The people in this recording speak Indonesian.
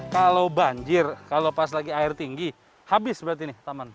kalau banjir kalau pas lagi air tinggi habis berarti nih taman